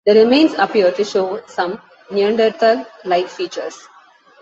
The remains appear to show some Neanderthal-like features.